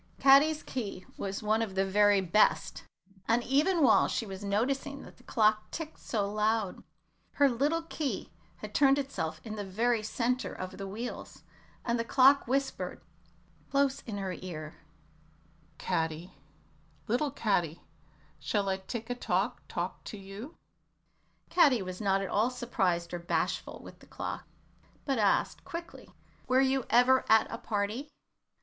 Caddy's key was one of the very best, and even while she was noticing that the clock ticked so loud, her little key had turned itself in the very centre of the wheels, and the clock whispered, close in her ear, "Caddy, little Caddy, shall I tick a tock talk to you?" Caddy was not at all surprised or bashful with the clock, but asked, quickly, "Were you ever at a party?"